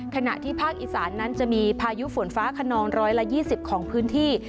ขณะที่ภาคอีสานนั้นจะมีพายุฝนฟ้าขนอง๑๒๐ของพื้นที่